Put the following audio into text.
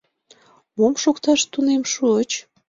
— Мом шокташ тунем шуыч?